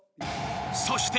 ［そして］